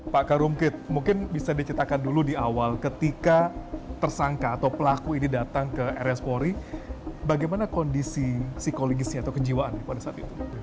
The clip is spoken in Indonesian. pak karungkit mungkin bisa diceritakan dulu di awal ketika tersangka atau pelaku ini datang ke rs polri bagaimana kondisi psikologisnya atau kejiwaan pada saat itu